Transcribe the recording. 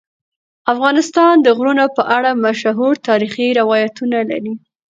افغانستان د غرونه په اړه مشهور تاریخی روایتونه لري.